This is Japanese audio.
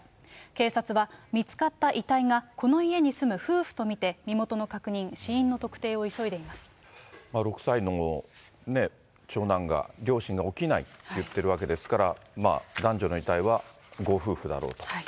警察は、見つかった遺体がこの家に住む夫婦と見て、身元の確認、６歳の長男が、両親が起きないって言ってるわけですから、まあ、男女の遺体はご夫婦だろうと。